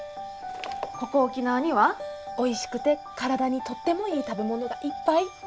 ここ沖縄にはおいしくて体にとってもいい食べ物がいっぱい。